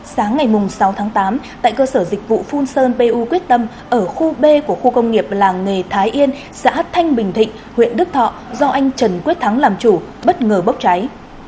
sáng ngày sáu tháng tám tại cơ sở dịch vụ phun sơn pu quyết tâm ở khu b của khu công nghiệp làng nghề thái yên xã thanh bình thịnh huyện đức thọ do anh trần quyết thắng làm chủ bất ngờ bốc cháy